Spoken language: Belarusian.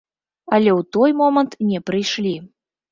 Але ў той момант не прыйшлі.